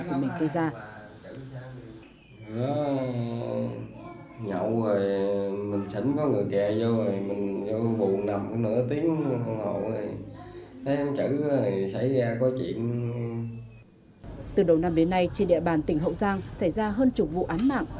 của mình gây ra từ đầu năm đến nay trên địa bàn tỉnh hậu giang xảy ra hơn chục vụ án mạng